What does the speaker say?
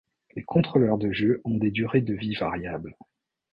Les contrôleurs de jeux ont des durées de vie variables.